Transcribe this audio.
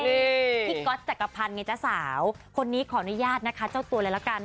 พี่ก๊อตจักรพันธ์ไงจ๊ะสาวคนนี้ขออนุญาตนะคะเจ้าตัวเลยละกัน